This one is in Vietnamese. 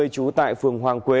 trú tại phường hoàng quế